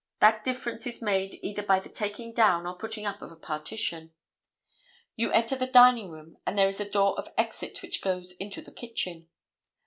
That difference is made either by the taking down or putting up of a partition. You enter the dining room and there is a door of exit which goes into the kitchen.